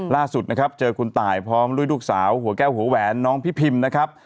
ล่าสุดนะครับเจอคุณตายพร้อมด้วยลูกสาวหัวแก้วหัวแหวนน้องพี่พิมนะครับ